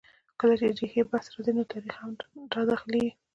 کله چې د ریښې بحث راځي؛ نو تاریخ هم را دا خلېږي.